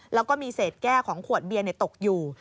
แล้วก็มีเศษแก้ของขวดเบียนตกอยู่